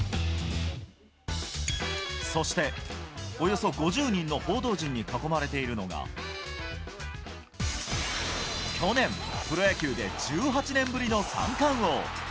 そして、およそ５０人の報道陣に囲まれているのが、去年、プロ野球で１８年ぶりの三冠王。